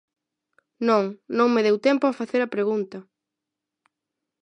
Non, non me deu tempo a facer a pregunta.